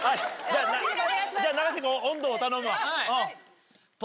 じゃあ永瀬君音頭を頼むわ。